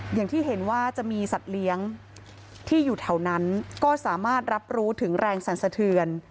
อย่างที่เห็นว่าจะมีสัตว์เลี้ยงที่อยู่แถวนั้นก็สามารถรับรู้ถึงแรงสั่นสะเทือน